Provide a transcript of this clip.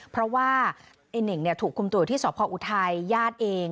เพราะว่าไอ้เน่งถูกคุมตัวอยู่ที่สพออุทัยญาติเอง